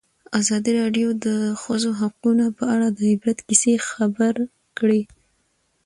ازادي راډیو د د ښځو حقونه په اړه د عبرت کیسې خبر کړي.